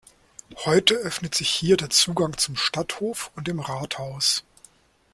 Heute öffnet sich hier der Zugang zum Stadthof und dem Rathaus.